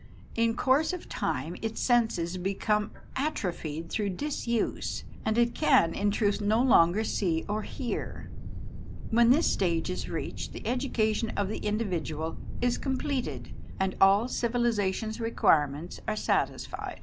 In course of time its senses become atrophied through disuse, and it can, in truth, no longer see or hear. When this stage is reached the education of the individual is completed, and all civilisa tion's requirements are satisfied.